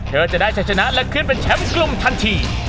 เธอจะได้ชะชนะและเขึ่มเป็นแฉมกลุ่มทันที